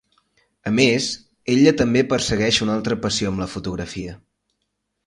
A més, ella també persegueix una altra passió amb la fotografia.